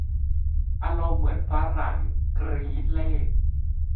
อารมณ์เหมือนฝรั่งกรี๊ดเลข